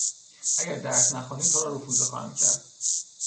اگر درس نخوانی تو را رفوزه خواهم کرد!